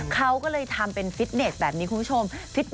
เขาก็เลยทำเป็นฟิตเน็ตแบบนี้คุณผู้ชม